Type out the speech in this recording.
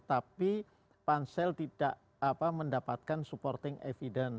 tapi pansel tidak mendapatkan supporting evidence